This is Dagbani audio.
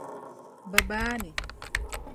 Bɛ baa ni?